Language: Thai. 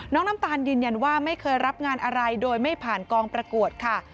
น้ำตาลยืนยันว่าไม่เคยรับงานอะไรโดยไม่ผ่านกองประกวดค่ะ